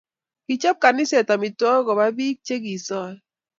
Kichop kaniset amitwokik kopa bik chokisai